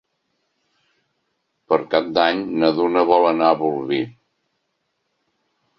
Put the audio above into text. Per Cap d'Any na Duna vol anar a Bolvir.